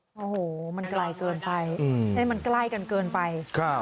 โอ้โหมันใกล้เกินไปนะมันใกล้กันเกินไปครับ